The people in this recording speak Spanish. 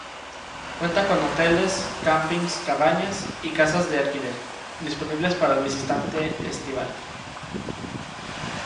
Cuenta con hoteles, campings, cabañas y casas de alquiler, disponibles para el visitante estival.